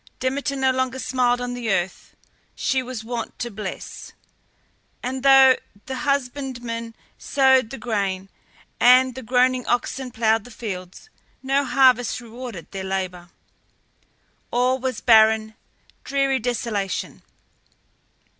Demeter no longer smiled on the earth she was wont to bless, and though the husbandman sowed the grain, and the groaning oxen ploughed the fields, no harvest rewarded their labour. All was barren, dreary desolation.